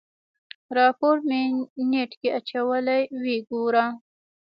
راپور مې نېټ کې اچولی ويې ګوره.